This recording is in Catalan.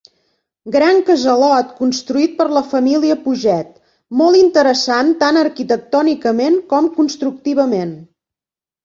Gran casalot construït per la família Puget, molt interessant tant arquitectònicament com constructivament.